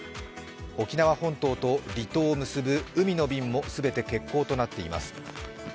沖縄本島と離島を結ぶ海の便も全て欠航となっています。